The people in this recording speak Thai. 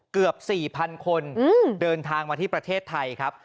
เกือบ๔๐๐๐คนเดินทางมาที่ประเทศไทยครับ